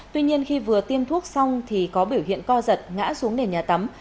tuy nhiên khi vừa tiêm thuốc xong thì có biểu hiện co giật ngã xuống nền nhà tắm